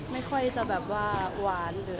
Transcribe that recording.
ไม่ค่อยจะตอบว่าหวาน